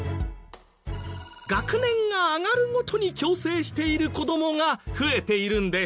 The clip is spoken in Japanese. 学年が上がるごとに矯正している子どもが増えているんです。